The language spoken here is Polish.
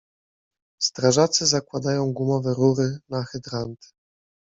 Strażacy zakładają gumowe rury na hydranty.